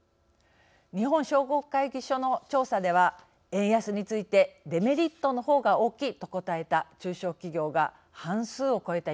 日本商工会議所の調査では円安について「デメリットの方が大きい」と答えた中小企業が半数を超えた